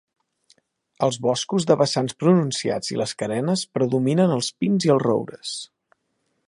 Als boscos de vessants pronunciats i les carenes predominen els pins i els roures.